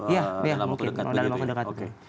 iya ada rencana untuk dekat begitu ya